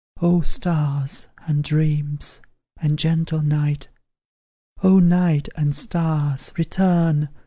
Oh, stars, and dreams, and gentle night; Oh, night and stars, return!